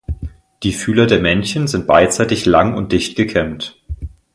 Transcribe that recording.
Die Fühler der Männchen sind beidseitig lang und dicht gekämmt.